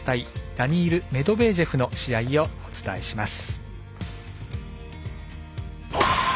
ダニール・メドベージェフの試合をお伝えします。